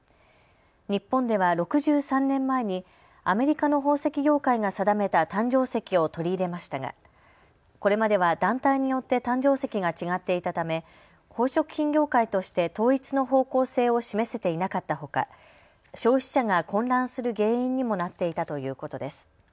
日本では６３年前にアメリカの宝石業界が定めた誕生石を取り入れましたがこれまでは団体によって誕生石が違っていたため宝飾品業界として統一の方向性を示せていなかったほか消費者が混乱する原因にもなっていたということです。